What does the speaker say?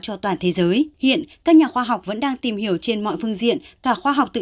cho toàn thế giới hiện các nhà khoa học vẫn đang tìm hiểu trên mọi phương diện cả khoa học tự